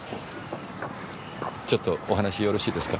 ちょっとお話よろしいですか？